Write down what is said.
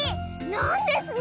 なんですの